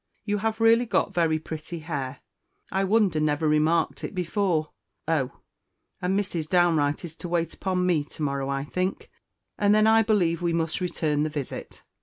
You have really got very pretty hair; I wonder never remarked it before. Oh! and Mrs. Downe Wright is to wait upon me to morrow, I think; and then I believe we must return the visit.